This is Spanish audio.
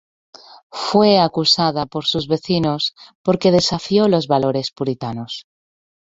Fue acusada por sus vecinos porque desafió los valores puritanos.